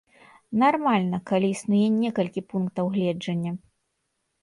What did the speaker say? Нармальна, калі існуе некалькі пунктаў гледжання.